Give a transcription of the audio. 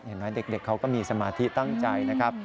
เห็นไหมเด็กเขาก็มีสมาธิตั้งใจนะครับ